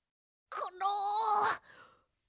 コロ！